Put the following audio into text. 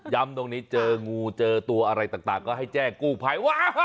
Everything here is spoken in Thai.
ตรงนี้เจองูเจอตัวอะไรต่างก็ให้แจ้งกู้ภัยว่า